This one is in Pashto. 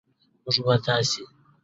موږ و تاسې